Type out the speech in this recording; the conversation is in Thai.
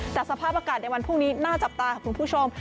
แต่สภาพอากาศในวันพรุ่งนี้น่าจับตาค่ะคุณผู้ชม